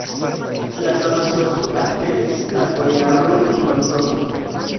La sama sorto atendis la bojaron Morozov.